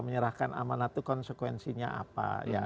menyerahkan amanat itu konsekuensinya apa